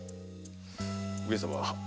上様。